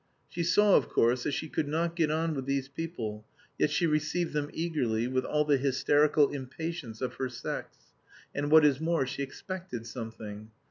She saw, of course, that she could not get on with these people, yet she received them eagerly, with all the hysterical impatience of her sex, and, what is more, she expected something.